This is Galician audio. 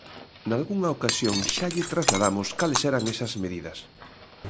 Nalgunha ocasión xa lle trasladamos cales eran esas medidas.